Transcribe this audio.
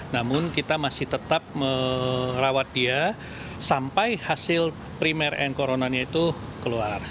namun kita masih tetap merawat dia sampai hasil primer and coronanya itu keluar